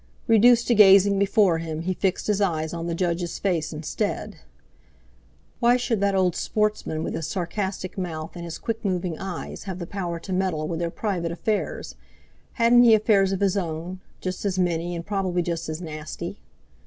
Reduced to gazing before him, he fixed his eyes on the Judge's face instead. Why should that old "sportsman" with his sarcastic mouth and his quick moving eyes have the power to meddle with their private affairs—hadn't he affairs of his own, just as many, and probably just as nasty?